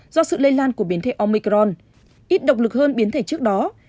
do sự lây lan của biến thể omicron ít động lực hơn biến thể trước đó